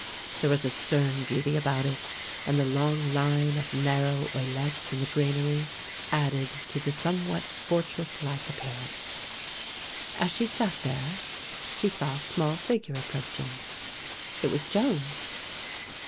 There was a stern beauty about it and the long line of narrow oilettes in the granary added to the somewhat fortress like appearance. As she sat there she saw a small figure approaching; it was Joan.